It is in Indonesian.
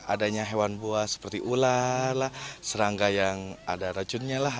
adanya hewan buah seperti ular serangga yang ada racunnya lah